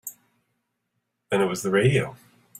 Then it was the radio.